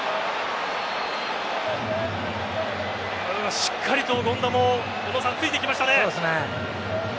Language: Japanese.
しっかりと権田もついていきましたね。